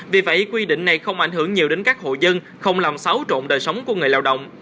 vì vậy quy định này không ảnh hưởng nhiều đến các hộ dân không làm xáo trộn đời sống của người lao động